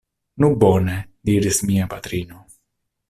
Nu bone, diris mia patrino.